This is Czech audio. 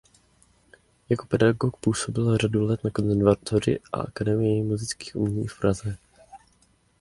Jako pedagog působil řadu let na konzervatoři a Akademii múzických umění v Praze.